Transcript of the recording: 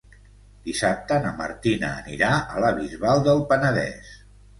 Dissabte na Martina anirà a la Bisbal del Penedès.